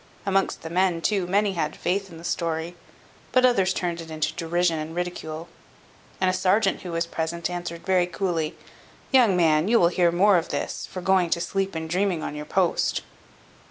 Amongst the men too, many had faith in the story; but others turned it into derision and ridicule; and a serjeant who was present answered very coolly, "Young man, you will hear more of this, for going to sleep and dreaming on your post."